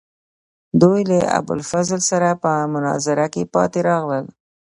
دوی له ابوالفضل سره په مناظره کې پاتې راغلل.